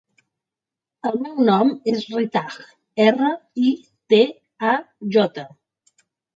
El meu nom és Ritaj: erra, i, te, a, jota.